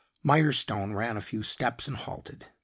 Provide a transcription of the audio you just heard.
Mirestone ran a few steps and halted.